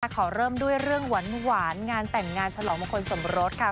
ขอเริ่มด้วยเรื่องหวานงานแต่งงานฉลองมงคลสมรสค่ะ